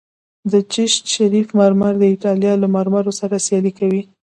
د چشت شریف مرمر د ایټالیا له مرمرو سره سیالي کوي